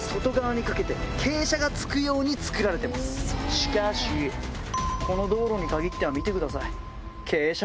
しかしこの道路に限っては見てください。